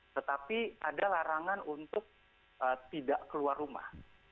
tetapi ada larangan untuk tidak keluar rumah